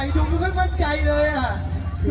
ไฮริตูยังไม่ให้มั่นใจเลยไหร่